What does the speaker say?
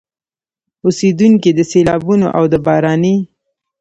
اوسېدونکي د سيلابونو او د باراني